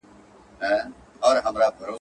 چي پنیر یې وو له خولې څخه وتلی.